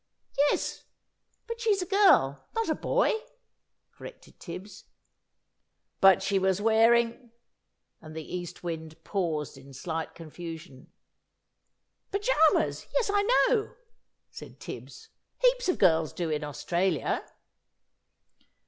"Yes; but she's a girl, not a boy," corrected Tibbs. "But, she was wearing " and the East Wind paused in slight confusion. "Pyjamas! Yes, I know," said Tibbs; "heaps of girls do in Australia."